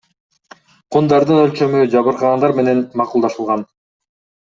Кундардын өлчөмү жабыркагандар менен макулдашылган.